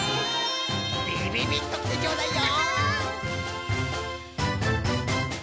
びびびっときてちょうだいよ。